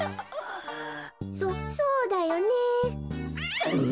「そそうだよね」。